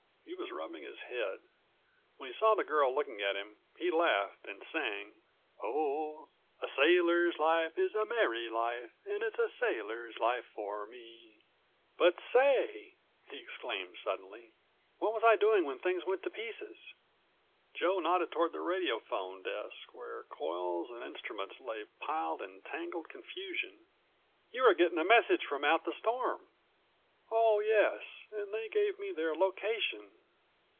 He was rubbing his head. When he saw the girl looking at him he laughed and sang: "Oh, a sailor's life is a merry life, And it's a sailor's life for me. 175 "But say!" he exclaimed suddenly, "what was I doing when things went to pieces?" Joe nodded toward the radiophone desk where coils and instruments lay piled in tangled confusion. "You were getting a message from out the storm." "Oh yes, and they gave me their location.